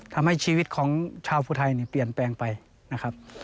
ทำให้ชีวิตของชาวภูไทยเนี่ยเปลี่ยนแปลงไปนะครับ